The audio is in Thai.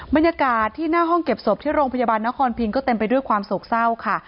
บรรยากาศที่หน้าห้องเก็บศพที่โรงพยาบาลนครพิงก็เต็มไปด้วยความโศกเศร้าค่ะ